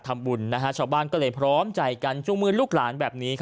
ทำบุญนะฮะชาวบ้านก็เลยพร้อมจ่ายกันจุลมือลูกหลานแบบนี้